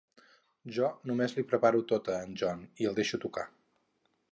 Jo només li preparo tot a en John i el deixo tocar.